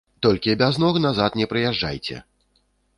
Толькі без ног назад не прыязджайце.